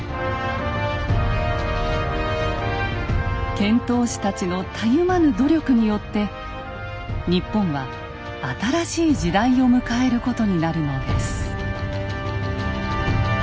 遣唐使たちのたゆまぬ努力によって日本は新しい時代を迎えることになるのです。